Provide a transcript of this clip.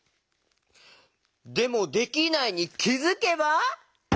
でも「できないに気づけば」？